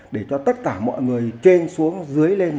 để cho tất cả mọi người trên xuống dưới lên